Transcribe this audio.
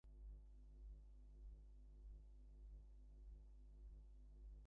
She had planned to marry him, so his death prevented her from marrying again.